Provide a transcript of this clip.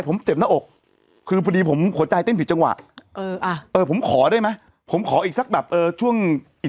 ผมเจ็บแล้วคือไปดิผมหัวใจเป็นผิดจังหวะอ่ะผมขอได้ไหมผมขออีกซักแบบช่วงอีก